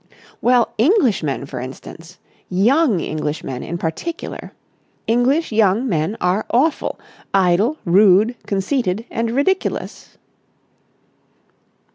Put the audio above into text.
"Well, Englishmen, for instance. Young Englishmen in particular. English young men are awful! Idle, rude, conceited, and ridiculous."